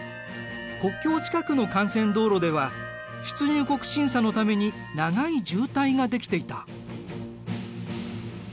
国境近くの幹線道路では出入国審査のために長い渋滞が出来ていた。